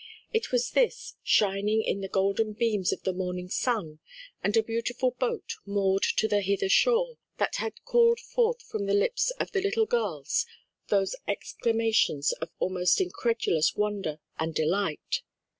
It was this, shining in the golden beams of the morning sun, and a beautiful boat moored to the hither shore, that had called forth from the lips of the little girls those exclamations of almost incredulous wonder and delight.